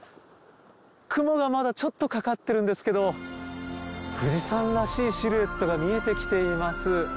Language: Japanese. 雲がまだちょっとかかってるんですけど富士山らしいシルエットが見えてきています。